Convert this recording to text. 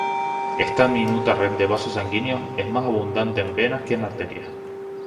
Esta diminuta red de vasos sanguíneos es más abundante en venas que en arterias.